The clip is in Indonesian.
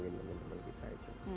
teman teman kita itu